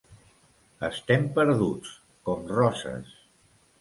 Estem perduts, com Roses.